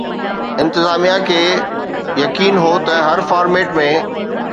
انتظاميا کي يقين هو ته هر فارميٽ ۾